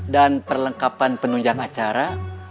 dan perlengkapan penunjang acara